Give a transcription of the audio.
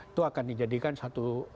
itu akan dijadikan satu